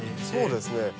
そうですね。